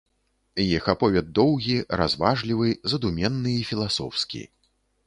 Іх аповед доўгі, разважлівы, задуменны і філасофскі.